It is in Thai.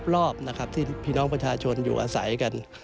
รอบนะครับที่พี่น้องประชาชนอยู่อาศัยกัน